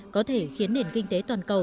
có thể khiến nền kinh tế toàn cầu